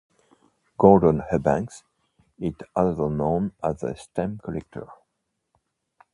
Gordon Eubanks is also known as a stamp collector.